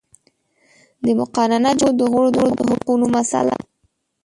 د مقننه جرګو د غړو د حقونو مسئله